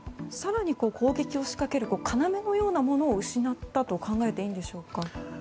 更に攻撃を仕掛ける要のようなものを失ったと考えていいんでしょうか？